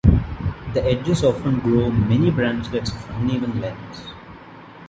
The edges often grow many branchlets of uneven lengths.